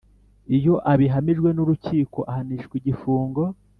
Iyo abihamijwe n urukiko ahanishwa igifungo